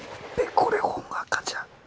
これ本垢じゃん。